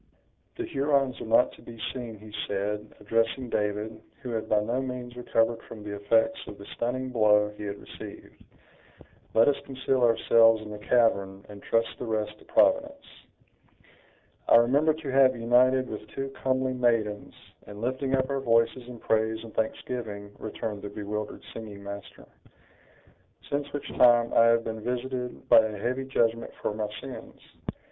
"The Hurons are not to be seen," he said, addressing David, who had by no means recovered from the effects of the stunning blow he had received; "let us conceal ourselves in the cavern, and trust the rest to Providence." "I remember to have united with two comely maidens, in lifting up our voices in praise and thanksgiving," returned the bewildered singing master; "since which time I have been visited by a heavy judgment for my sins.